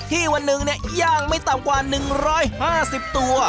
วันหนึ่งย่างไม่ต่ำกว่า๑๕๐ตัว